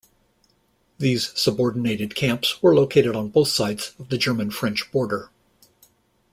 These subordinated camps were located on both sides of the German-French border.